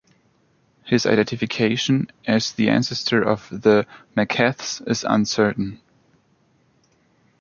His identification as the ancestor of the MacHeths is uncertain.